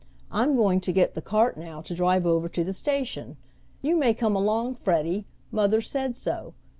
I'm going to get the cart now to drive over to the station. You may come along, Freddie, mother said so.